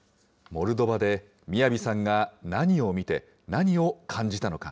モルドバでＭＩＹＡＶＩさんが何を見て、何を感じたのか。